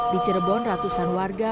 di cirebon ratusan warga